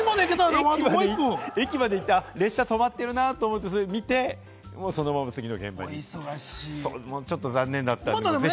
駅まで行って、列車止まってるなと思って見て、そのまま次の現場にちょっと残念だったんです。